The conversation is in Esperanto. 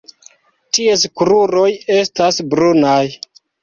Ties kruroj estas brunaj.